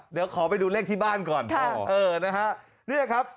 เดี๋ยวขอไปดูเลขที่บ้านก่อนเออนะฮะเนี่ยครับ